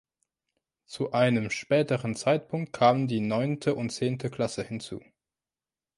Zu einem späteren Zeitpunkt kamen die neunte und zehnte Klasse hinzu.